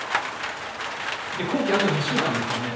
工期あと２週間ですよね？